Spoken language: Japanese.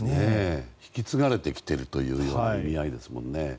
引き継がれてきているという意味合いですもんね。